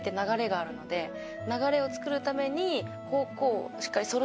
流れを作るために。